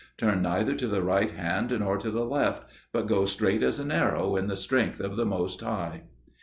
Turn neither to the right hand nor to the left, but go straight as an arrow in the strength of the Most High."